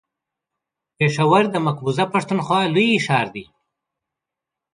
پېښور د مقبوضه پښتونخوا لوی ښار دی.